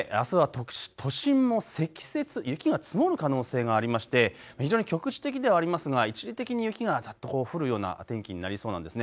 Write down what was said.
いちばん上、あすは都心も雪が積もる可能性がありまして、非常に局地的ではありますが一時的に雪がざっと降るような天気になりそうなんですね。